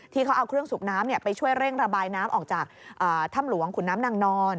ที่เขาเอาเครื่องสูบน้ำไปช่วยเร่งระบายน้ำออกจากถ้ำหลวงขุนน้ำนางนอน